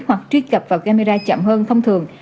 hoặc truy cập vào camera chậm hơn thông thường